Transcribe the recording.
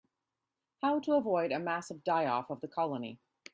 How to avoid a massive die-off of the colony.